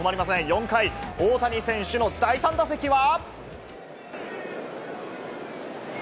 ４回、大谷選手の第３打席は。